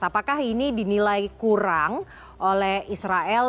apakah ini dinilai kurang oleh israel